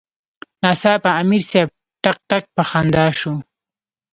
ناڅاپه امیر صېب ټق ټق پۀ خندا شۀ ـ